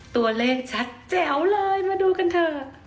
ตัวเลขชัดแจ๋วเลยมาดูกันเถอะ